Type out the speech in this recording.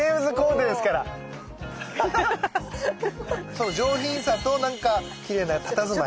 その上品さとなんかきれいなたたずまい。